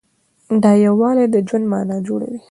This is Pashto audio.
دا یووالی د ژوند معنی جوړوي.